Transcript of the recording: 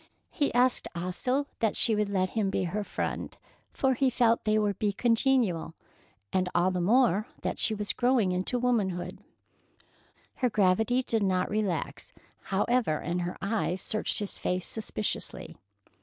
He asked also that she would let him be her friend, for he felt that they would be congenial, and all the more that she was growing into womanhood. Her gravity did not relax, however, and her eyes searched his face suspiciously.